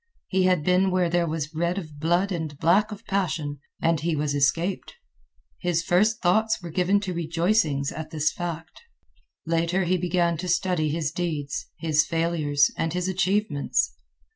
He had been where there was red of blood and black of passion, and he was escaped. His first thoughts were given to rejoicings at this fact. Later he began to study his deeds, his failures, and his achievements.